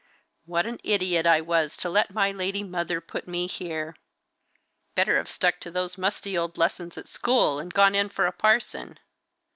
What an idiot I was to let my lady mother put me here! Better have stuck to those musty old lessons at school, and gone in for a parson!